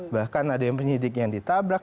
bahkan ada yang penyidik yang ditabrak